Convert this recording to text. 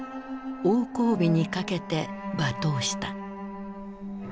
王光美にかけて罵倒した。